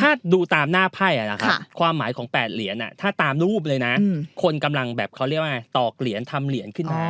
ถ้าดูตามหน้าไพ่ค่ะความหมายของ๘เหรียญถ้าตามรูปเลยนะคนกำลังตอกเหรียญทำเหรียญขึ้นมา